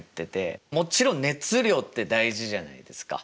もちろん熱量って大事じゃないですか。